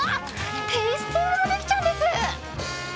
テイスティングもできちゃうんです。